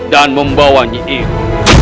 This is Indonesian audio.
dan membawanya itu